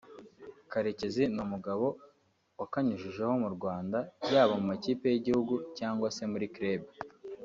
Karekezi ni umugabo wakanyujijeho mu Rwanda yaba mu ikipe y’Igihugu cyangwa se muri Club